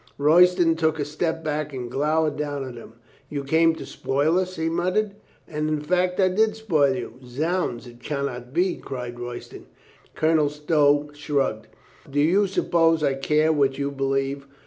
Royston took a step back and glowered down at him. "You came to spoil us?" he muttered. "And in fact I did spoil you." "Zounds, it can not be!" cried Royston. Colonel Stow shrugged. "Do you suppose I care what you believe?"